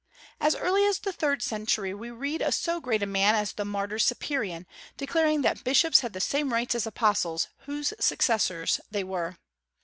As early as the third century we read of so great a man as the martyr Cyprian declaring "that bishops had the same rights as apostles, whose successors they were."